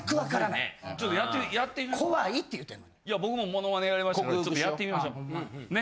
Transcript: いや僕もモノマネやりましたからちょっとやってみましょう。ね？